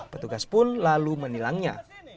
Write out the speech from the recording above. petugas pun lalu menilangnya